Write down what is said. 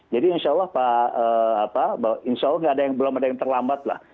jadi insya allah belum ada yang terlambat